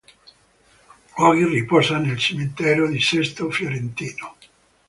Oggi riposa nel cimitero di Sesto Fiorentino.